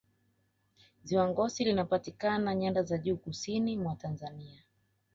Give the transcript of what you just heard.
ziwa ngosi linapatikana nyanda za juu kusini mwa tanzania